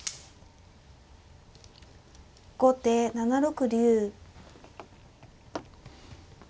後手７六竜。